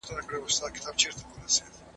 دېوال مو دئ په وړاندي نړوو يې خو پوه نه يو